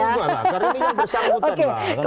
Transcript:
enggak lah karena ini yang bersangkutan